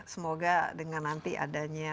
semoga dengan nanti adanya